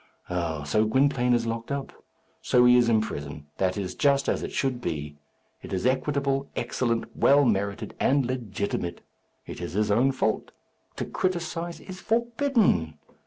Oh! so Gwynplaine is locked up! So he is in prison. That is just as it should be. It is equitable, excellent, well merited, and legitimate. It is his own fault. To criticize is forbidden.